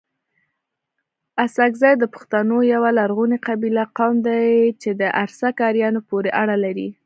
اڅکزي دپښتونو يٶه لرغوني قبيله، قوم دئ چي د ارڅک اريانو پوري اړه لري